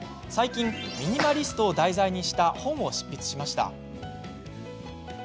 最近ミニマリストを題材にした本を執筆しました。